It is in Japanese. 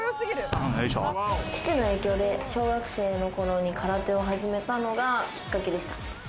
父の影響で小学生の頃に空手を始めたのがきっかけでした。